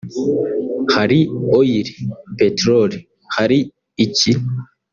hari Oil (peteroli) hari iki